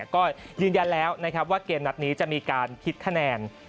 ก็ยืนยันแล้วนะครับว่าเกมนัดนี้จะมีการคิดคะแนน